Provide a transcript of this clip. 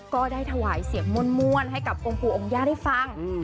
ก็ได้ถวายเสียบม่วนให้กับกองกูองญาได้ฟัง